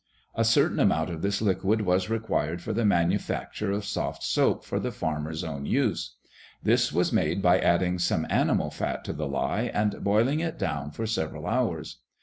A certain amount of this liquid was required for the manufacture of soft soap for the farmer's own use. This was made by adding some animal fat to the lye and boiling it down for several hours.